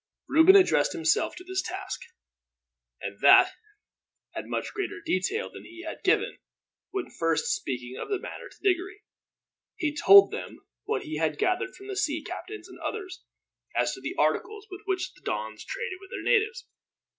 Reuben addressed himself to his task, and that at much greater detail than he had given, when first speaking of the matter to Diggory. He told them what he had gathered from the sea captains, and others, as to the articles with which the Dons traded with the natives.